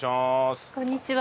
こんにちは。